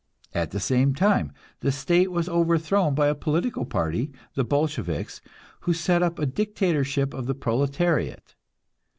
At the same time the state was overthrown by a political party, the Bolsheviks, who set up a dictatorship of the proletariat.